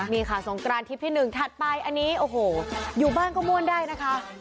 นี่ค่ะสงกรานทริปที่๑ถัดไปอันนี้โอ้โหอยู่บ้านก็ม่วนได้นะคะ